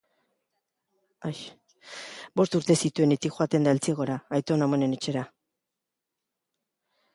Bost urte zituenetik joaten da Eltziegora, aiton-amonen etxera